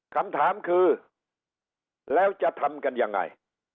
คำถามคือแล้วจะทำกันยังไง